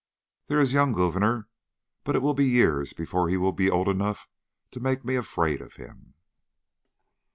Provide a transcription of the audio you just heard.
"There is a young Gouverneur, but it will be years before he will be old enough to make me afraid of him."